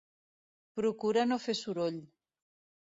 Procura no fer soroll.